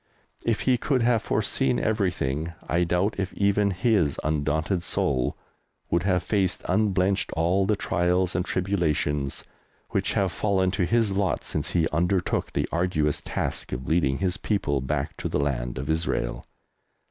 If he could have foreseen everything I doubt if even his undaunted soul would have faced unblenched all the trials and tribulations which have fallen to his lot since he undertook the arduous task of leading his people back to the Land of Israel.